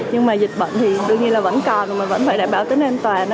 nhưng mà dịch bệnh thì đương nhiên là vẫn còn mà vẫn phải đảm bảo tính an toàn